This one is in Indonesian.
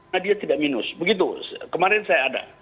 nah dia tidak minus begitu kemarin saya ada